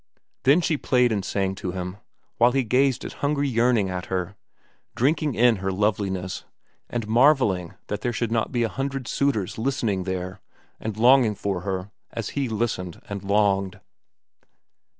Then she played and sang to him, while he gazed with hungry yearning at her, drinking in her loveliness and marvelling that there should not be a hundred suitors listening there and longing for her as he listened and longed.